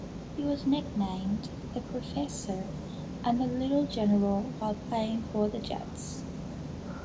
He was nicknamed "The Professor" and "The Little General" while playing for the Jets.